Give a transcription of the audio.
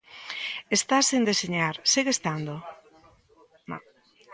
Está sen deseñar, segue estando.